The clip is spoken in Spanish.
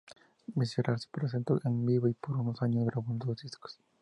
Visceral se presentó en vivo por unos años y grabó dos discos.